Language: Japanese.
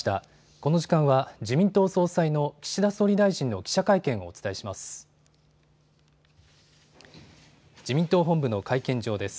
この時間は、自民党総裁の岸田総理大臣の記者会見をお伝えします。